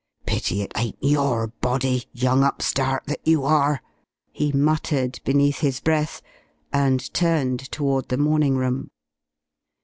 "Pity it ain't your body, young upstart that you are!" he muttered beneath his breath, and turned toward the morning room.